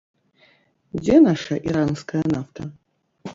Дзе наша іранская нафта?